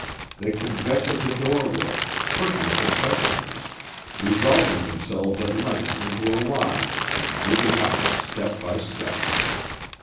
They congested the doorway, pushing for precedence—resolving themselves at length into a line and moving up step by step.